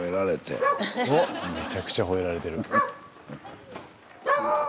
めちゃくちゃほえられてる。